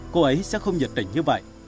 cô ấy sẽ không nhiệt tình như vậy